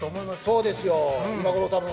そうですよ。